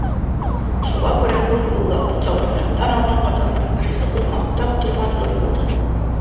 Шуға күрә был юлы ла оҫталығы менән дан алған ҡатындың ризығы маҡтап туймаҫлыҡ булды.